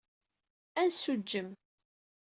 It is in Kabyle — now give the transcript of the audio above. Ad nessuǧǧem.